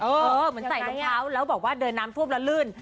เหมือนใส่รองเท้าแล้วบอกว่าเดินน้ำท่วมแล้วลื่น